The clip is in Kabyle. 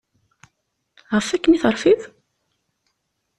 Ɣef akken i terfiḍ?